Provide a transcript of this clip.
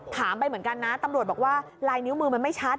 ไปเหมือนกันนะตำรวจบอกว่าลายนิ้วมือมันไม่ชัด